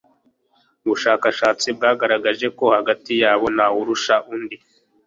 Ubushakashatsi bwagaragaje ko hagati yabo ntawurusha unndi